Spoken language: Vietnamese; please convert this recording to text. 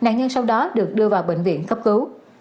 cảm ơn các bạn đã theo dõi